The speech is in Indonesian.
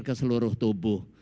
ke seluruh tubuh